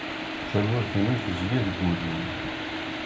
Tamurt-inu tezga deg ul-iw.